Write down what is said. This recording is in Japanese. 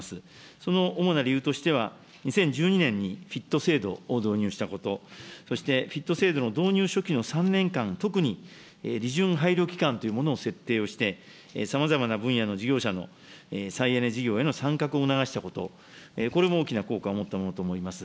その主な理由としては、２０１２年にＦＩＴ制度を導入したこと、そしてＦＩＴ制度の導入初期の３年間、特に利潤配慮きかんというものを設定して、さまざまな分野の事業者の再エネ事業への参画を促したこと、これも大きな効果を持ったものと思います。